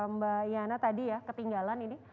mbak yana tadi ya ketinggalan ini